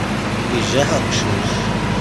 Ijaḥ uqcic.